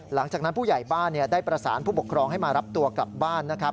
หลังจากนั้นผู้ใหญ่บ้านได้ประสานผู้ปกครองให้มารับตัวกลับบ้านนะครับ